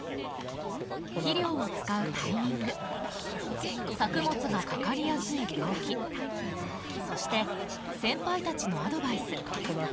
肥料を使うタイミング作物がかかりやすい病気そして先輩たちのアドバイス。